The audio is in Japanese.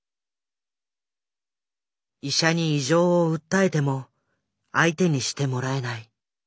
医者に異常を訴えても相手にしてもらえない。